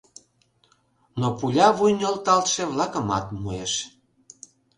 Но пуля вуй нӧлталше-влакымат муэш.